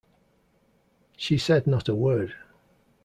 She said not a word.